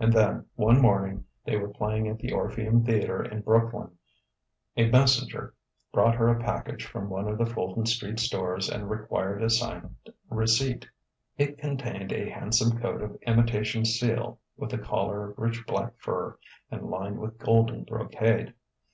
And then, one morning they were playing at the Orpheum Theatre in Brooklyn a messenger brought her a package from one of the Fulton Street stores and required a signed receipt. It contained a handsome coat of imitation seal with a collar of rich black fur and lined with golden brocade.